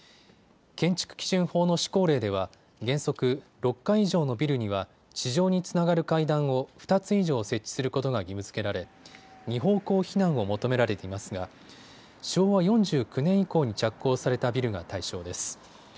建築基準法の施行令では原則、６階以上のビルには地上につながる階段を２つ以上設置することが義務づけられ、２方向避難を求められていますが昭和４９年以降に着工されたビルが対象です。